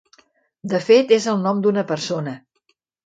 De fet és el nom d'una persona.